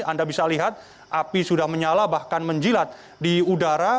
anda bisa lihat api sudah menyala bahkan menjilat di udara